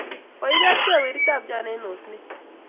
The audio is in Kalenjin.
Koiket kee weri ab Joan en osenet